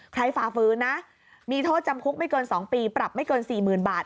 ฝ่าฟื้นนะมีโทษจำคุกไม่เกิน๒ปีปรับไม่เกิน๔๐๐๐บาท